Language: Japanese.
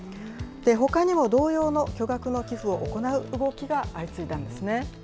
ほかにも同様の巨額の寄付を行う動きが相次いだんですね。